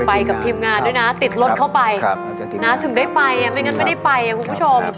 ไปกับทีมงานด้วยนะติดรถเข้าไปถึงได้ไปไม่งั้นไม่ได้ไปคุณผู้ชม